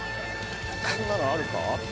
そんなのあるか？